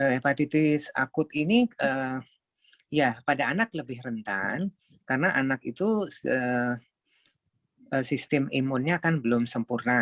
hepatitis akut ini ya pada anak lebih rentan karena anak itu sistem imunnya kan belum sempurna